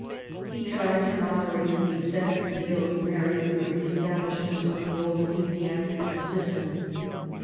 He tried to moderate the excessive zeal of Mary for the re establishment of the old ecclesiastical system.